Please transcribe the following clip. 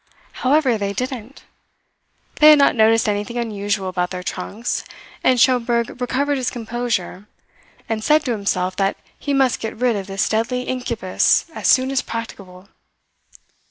However they didn't; they had not noticed anything unusual about their trunks and Schomberg recovered his composure and said to himself that he must get rid of this deadly incubus as soon as practicable.